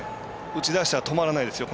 打ち出したら止まらないですよ。